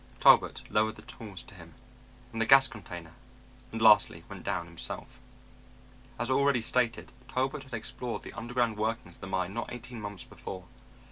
Talbot lowered the tools to him, and the gas container, and lastly went down himself. As already stated, Talbot had explored the underground workings of the mine not eighteen months before.